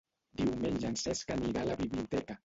Diumenge en Cesc anirà a la biblioteca.